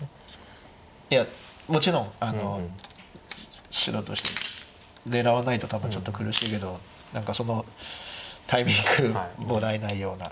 いやもちろん白としても狙わないと多分ちょっと苦しいけどタイミングもらえないような。